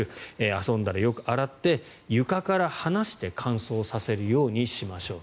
遊んだらよく洗って床から離して乾燥させるようにしましょう。